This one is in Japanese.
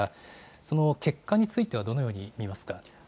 その結果についてはどのように見ますか。